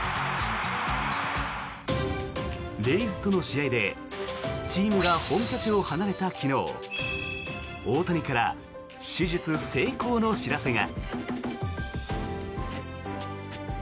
レイズとの試合でチームが本拠地を離れた昨日大谷から手術成功の知らせが。